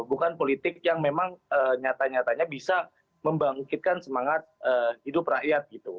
bukan politik yang memang nyata nyatanya bisa membangkitkan semangat hidup rakyat gitu